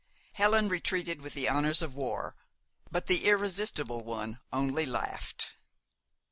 Helen retreated with the honors of war; but the irresistible one only laughed.